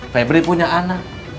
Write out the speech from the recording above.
febri punya anak